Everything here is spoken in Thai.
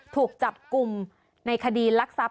ถูกจับกุมในคดีลักษับ